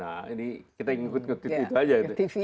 nah ini kita ingin ikut nge tv itu aja